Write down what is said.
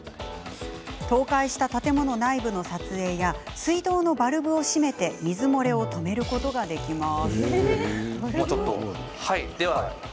倒壊した建物内部の撮影や水道のバルブを閉めて水漏れを止めることができます。